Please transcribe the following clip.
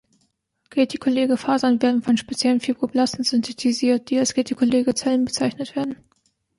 Retikuläre Fasern werden von speziellen Fibroblasten synthetisiert, die als retikuläre Zellen bezeichnet werden.